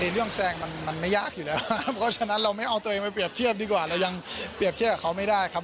เรื่องแซงมันไม่ยากอยู่แล้วครับเพราะฉะนั้นเราไม่เอาตัวเองไปเรียบเทียบดีกว่าเรายังเปรียบเทียบกับเขาไม่ได้ครับ